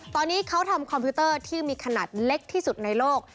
ตอนนี้เขาทำคอมพิวเตอร์ที่มีขนาดเล็กที่สุดในโลก